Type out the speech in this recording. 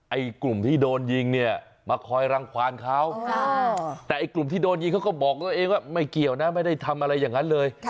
ไอ้กลุ่มที่โดนยิงเนี่ยมาคอยรังความเขาแต่ไอ้กลุ่มที่โดนยิงเขาก็บอกตัวเองว่าไม่เกี่ยวนะไม่ได้ทำอะไรอย่างนั้นเลย